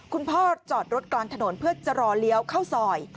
จอดรถกลางถนนเพื่อจะรอเลี้ยวเข้าซอย